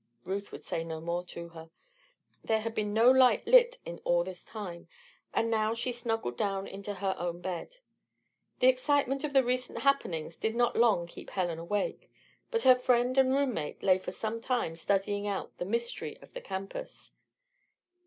Ruth would say no more to her. There had been no light lit in all this time, and now she snuggled down into her own bed. The excitement of the recent happenings did not long keep Helen awake; but her friend and room mate lay for some time studying out the mystery of the campus.